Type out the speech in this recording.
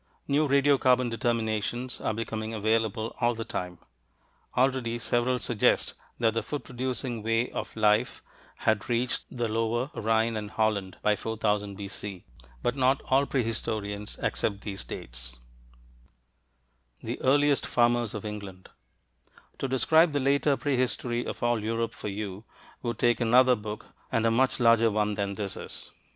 New radiocarbon determinations are becoming available all the time already several suggest that the food producing way of life had reached the lower Rhine and Holland by 4000 B.C. But not all prehistorians accept these "dates," so I do not show them on my map (p. 139). THE EARLIEST FARMERS OF ENGLAND To describe the later prehistory of all Europe for you would take another book and a much larger one than this is.